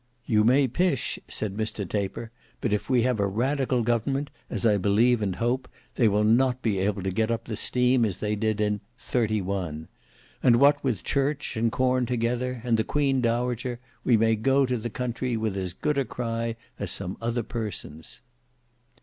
"You may pish," said Mr Taper, "but if we have a radical government, as I believe and hope, they will not be able to get up the steam as they did in —31; and what with church and corn together, and the Queen Dowager, we may go to the country with as good a cry as some other persons."